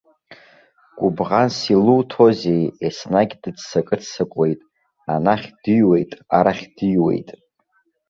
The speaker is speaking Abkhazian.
Гәыбӷанс илуҭозеи, еснагь дыццакы-ццакуеит, анахь дыҩуеит, арахь дыҩуеит.